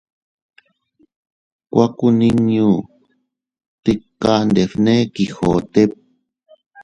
—Kuakunniñu tika —nbefne Quijote—.